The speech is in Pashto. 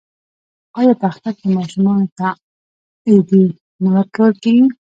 آیا په اختر کې ماشومانو ته ایډي نه ورکول کیږي؟